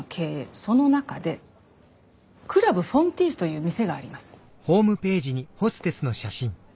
その中でクラブフォンティースという店があります。